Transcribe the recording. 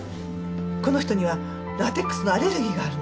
この人にはラテックスのアレルギーがあるの。